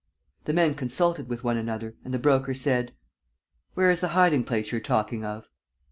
..." The men consulted with one another and the Broker said: "Where is the hiding place you're talking of?"